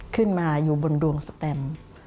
ขึ้นมาอยู่บนดวงสแตม